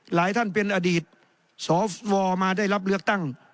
หลายท่านเป็นอดีตสวมาได้รับเลือกตั้ง